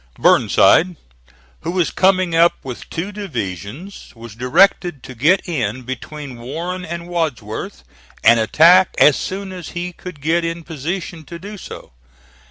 Burnside, who was coming up with two divisions, was directed to get in between Warren and Wadsworth, and attack as soon as he could get in position to do so.